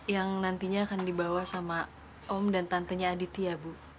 yang nantinya akan dibawa sama om dan tantenya aditya bu